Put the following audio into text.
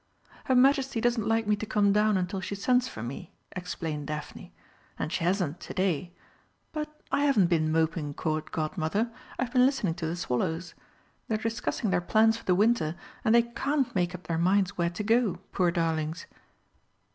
"Her Majesty doesn't like me to come down until she sends for me," explained Daphne; "and she hasn't to day. But I haven't been moping, Court Godmother; I've been listening to the swallows. They're discussing their plans for the winter, and they can't make up their minds where to go, poor darlings!"